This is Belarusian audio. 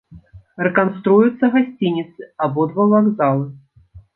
Рэканструююцца гасцініцы, абодва вакзалы.